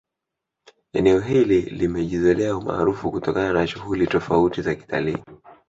Eneo hili limejizolea umaarufu kutokana na shughuli tofauti za kitalii